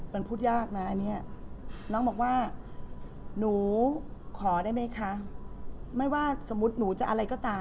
พี่ปุ้ยบอกว่าหนูขอได้ไหมคะไม่ว่าสมมุติหนูจะอะไรก็ตาม